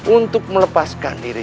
untuk melepaskan diri